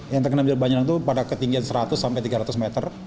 yang terkena banjir itu pada ketinggian seratus sampai tiga ratus meter